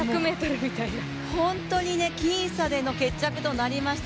本当に僅差での決着となりました。